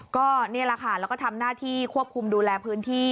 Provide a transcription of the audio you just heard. ก็นี่แหละค่ะแล้วก็ทำหน้าที่ควบคุมดูแลพื้นที่